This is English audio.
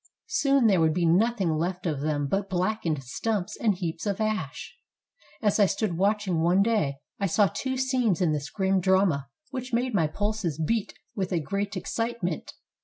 Soon there would be nothing left of them but blackened stumps and heaps of ash. As I stood watching one day I saw two scenes in this grim drama which made my pulses beat with a great ex citement.